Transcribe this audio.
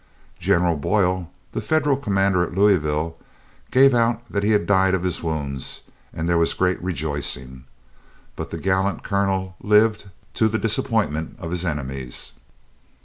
General Boyle, the Federal commander at Louisville, gave out that he had died of his wounds and there was great rejoicing. But the gallant Colonel lived, to the disappointment of his enemies.